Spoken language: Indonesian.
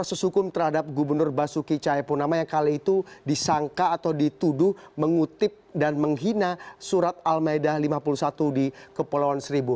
proses hukum terhadap gubernur basuki cahayapunama yang kali itu disangka atau dituduh mengutip dan menghina surat al maidah lima puluh satu di kepulauan seribu